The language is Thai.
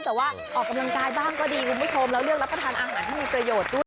แต่ว่าออกกำลังกายบ้างก็ดีคุณผู้ชมแล้วเลือกรับประทานอาหารที่มีประโยชน์ด้วย